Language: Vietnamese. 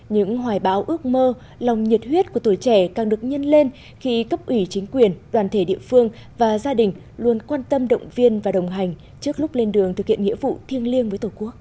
những hoài bão ước mơ lòng nhiệt huyết của tuổi trẻ càng được nhân lên khi cấp ủy chính quyền đoàn thể địa phương và gia đình luôn quan tâm động viên và đồng hành trước lúc lên đường thực hiện nghĩa vụ thiêng